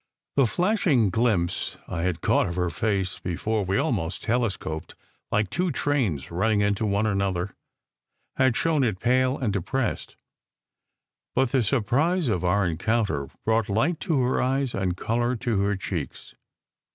The flashing glimpse I had caught of her face, before we almost telescoped like two trains running into one another, had shown it pale and depressed; but the surprise of our encounter brought light to her eyes and colour to her cheeks.